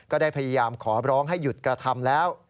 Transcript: ก็ได้พยายามขอร้องให้หยุดกระทำแล้ว